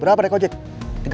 berapa deh kau cik